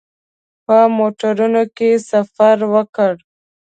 په موټرونو کې سفر وکړ.